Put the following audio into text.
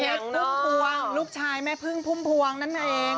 พึ่งพวงลูกชายแม่พึ่งพุ่มพวงนั่นเอง